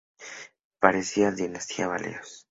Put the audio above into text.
Pertenecía a la dinastía Valois.